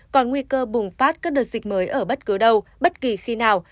còn nguy cơ bùng phát các đợt dịch mới ở bất cứ đâu bất kỳ khi nào